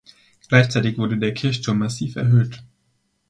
Gleichzeitig wurde der Kirchturm massiv erhöht.